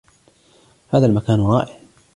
هذا المكان رائع.